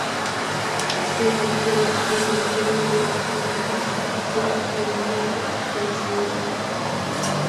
Su actual equipo es el Clube de Regatas do Flamengo del Brasileirão.